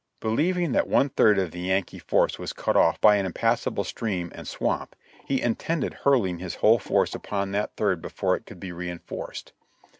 Believing that one third of the Yankee force was cut off by an impassable stream and swamp, he intended hurling his whole force upon that third before it could be reinforced.